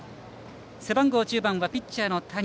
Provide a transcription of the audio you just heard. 背番号１０はピッチャーの谷